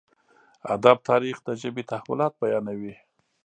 ادب تاريخ د ژبې تحولات بيانوي.